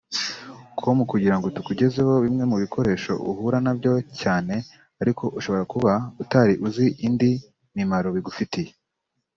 com kugira ngo tukugezeho bimwe mu bikoresho uhura nabyo cyane ariko ushobora kuba utari uzi indi mimaro bigufitiye